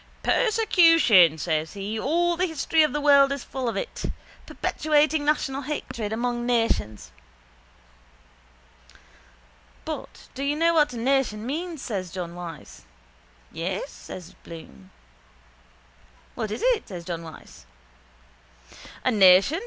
—Persecution, says he, all the history of the world is full of it. Perpetuating national hatred among nations. —But do you know what a nation means? says John Wyse. —Yes, says Bloom. —What is it? says John Wyse. —A nation?